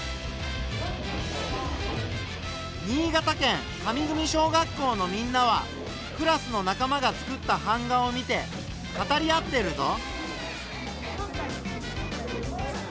新潟県上組小学校のみんなはクラスの仲間が作った版画を見て語り合ってるぞ。